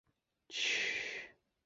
水分的不足使乔木难以立足。